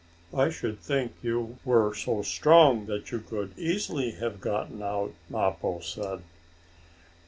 "I should think you were so strong that you could easily have gotten out," Mappo said.